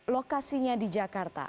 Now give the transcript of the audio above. lokasinya di jakarta